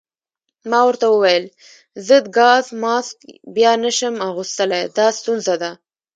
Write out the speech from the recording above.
ما ورته وویل: ضد ګاز ماسک بیا نه شم اغوستلای، دا ستونزه ده.